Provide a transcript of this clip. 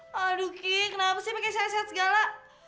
hah aduh ki kenapa sih pake syarat syarat segala